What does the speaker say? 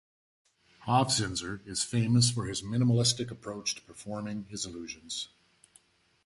Hofzinser is famous for his minimalistic approach to performing his illusions.